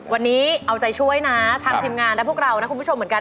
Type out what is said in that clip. วันนี้เอาใจช่วยนะทางทีมงานและพวกเรานะคุณผู้ชมเหมือนกัน